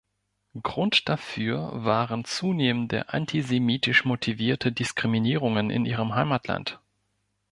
Grund dafür waren zunehmende antisemitisch motivierte Diskriminierungen in ihrem Heimatland.